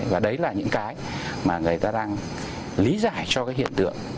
và đấy là những cái mà người ta đang lý giải cho cái hiện tượng